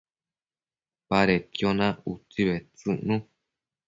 baded na utsi bedtsëcnu